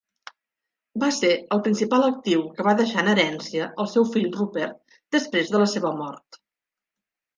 Va ser el principal actiu que va deixar en herència al seu fill Rupert després de la seva mort.